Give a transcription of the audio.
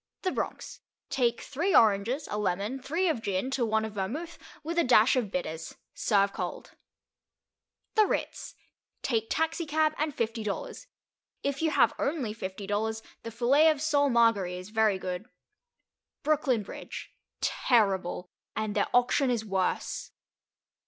The Bronx. Take three oranges, a lemon, three of gin, to one of vermouth, with a dash of bitters. Serve cold. The Ritz. Take taxicab and fifty dollars. If you have only fifty dollars the filet of sole Marguéry is very good. Brooklyn Bridge. Terrible. And their auction is worse.